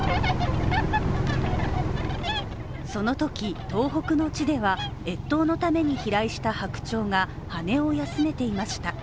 そのとき、東北の地では越冬のために飛来した白鳥が羽を休めていました。